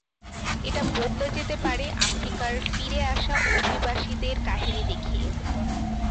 এটা বদলে যেতে পারে আফ্রিকায় ফিরে আসা অভিবাসীদের কাহিনী দেখিয়ে।